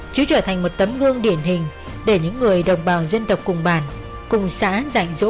chứ trở thành một tấm gương điển hình để những người đồng bào dân tộc cùng bản cùng xã dạy dỗ